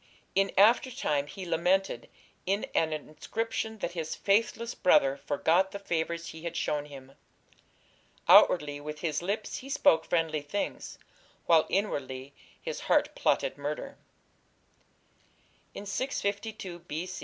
In after time he lamented in an inscription that his "faithless brother" forgot the favours he had shown him. "Outwardly with his lips he spoke friendly things, while inwardly his heart plotted murder." In 652 B.